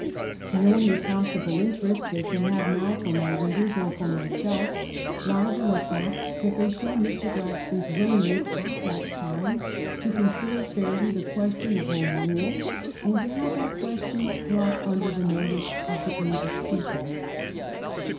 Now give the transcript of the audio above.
The only possible interest they can have now for my readers, or for myself, lies in the fact that they show Mr. Gladstone s willing ness at that time to consider fairly the question of Home Rule and to have that question brought under the notice of the English people.